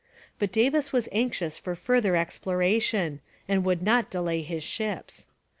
But Davis was anxious for further exploration, and would not delay his ships.